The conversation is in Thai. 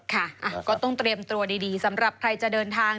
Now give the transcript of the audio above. ค่ะก็ต้องเตรียมตัวดีสำหรับใครจะเดินทาง